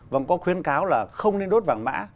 vâng có khuyến cáo là không nên đốt vàng mã